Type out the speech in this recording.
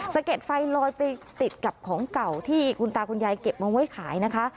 เก็ดไฟลอยไปติดกับของเก่าที่คุณตาคุณยายเก็บมาไว้ขายนะคะ